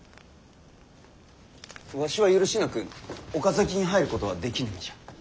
わしは許しなく岡崎に入ることはできぬ身じゃ。